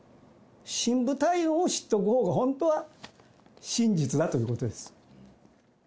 深部体温を知っておくほうが、本当は真実だということです。